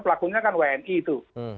pelakunya kan wni itu